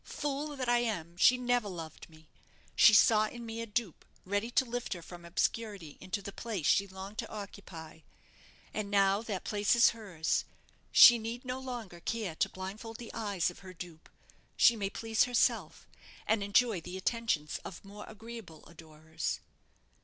Fool that I am, she never loved me! She saw in me a dupe ready to lift her from obscurity into the place she longed to occupy; and now that place is hers, she need no longer care to blindfold the eyes of her dupe; she may please herself, and enjoy the attentions of more agreeable adorers."